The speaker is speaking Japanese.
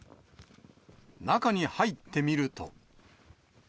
中に入ってみると。